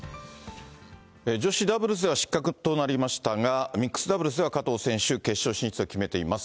女子ダブルスは失格となりましたが、ミックスダブルスでは加藤選手、決勝進出を決めています。